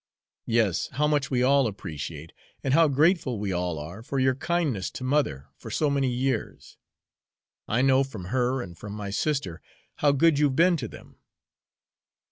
"Yes, how much we all appreciate, and how grateful we all are for your kindness to mother for so many years. I know from her and from my sister how good you've been to them."